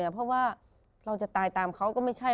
เพราะว่าเราจะตายตามเขาก็ไม่ใช่